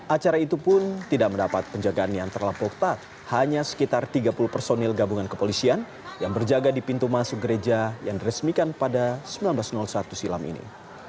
acara itu pun tidak mendapat penjagaan yang terlampau ketat hanya sekitar tiga puluh personil gabungan kepolisian yang berjaga di pintu masuk gereja yang diresmikan pada seribu sembilan ratus satu silam ini